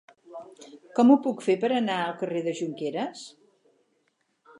Com ho puc fer per anar al carrer de Jonqueres?